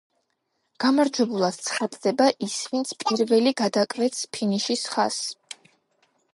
გამარჯვებულად ცხადდება ის ვინც პირველი გადაკვეთს ფინიშის ხაზს.